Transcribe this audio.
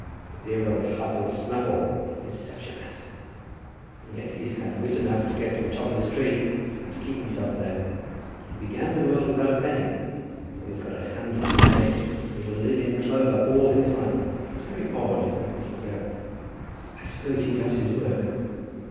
Dear old Huffle Snuffle. He is such an ass; and yet he's had wit enough to get to the top of the tree, and to keep himself there. He began the world without a penny. Now he has got a handle to his name, and he'll live in clover all his life. It's very odd, isn't it, Mrs. Dale?" "I suppose he does his work?"